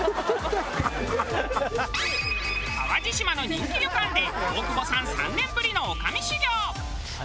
淡路島の人気旅館で大久保さん３年ぶりの女将修業。